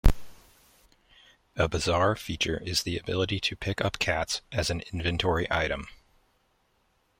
A bizarre feature is the ability to pick up cats as an inventory item.